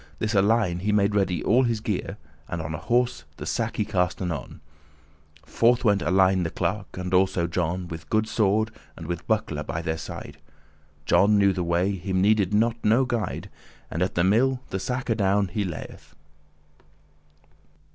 This Alein he made ready all his gear, And on a horse the sack he cast anon: Forth went Alein the clerk, and also John, With good sword and with buckler by their side. John knew the way, him needed not no guide, And at the mill the sack adown he lay'th.